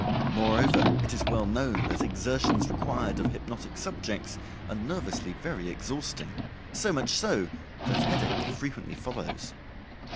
Moreover, it is well known that exertions required of hypnotic subjects are nervously very exhausting, so much so that headache frequently follows.